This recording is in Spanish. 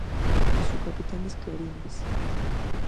Su capital es Clarines.